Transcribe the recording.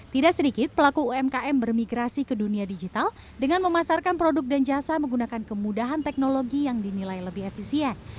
tidak sedikit pelaku umkm bermigrasi ke dunia digital dengan memasarkan produk dan jasa menggunakan kemudahan teknologi yang dinilai lebih efisien